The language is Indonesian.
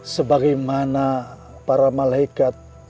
sebagaimana para malaikat